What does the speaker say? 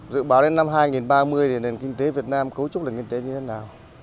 dự báo đến năm hai nghìn ba mươi thì nền kinh tế việt nam cấu trúc là kinh tế như thế nào